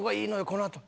このあと。